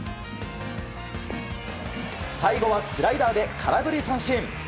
最後はスライダーで空振り三振。